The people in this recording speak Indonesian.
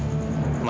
untuk kejar amira